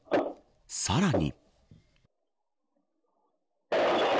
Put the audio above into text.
さらに。